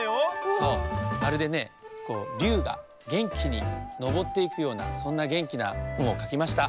そうまるでねりゅうがげんきにのぼっていくようなそんなげんきな「ん」をかきました。